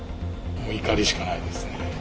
もう怒りしかないですね。